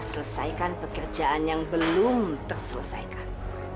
selesaikan pekerjaan yang belum terselesaikan